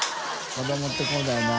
子どもってこうだよな。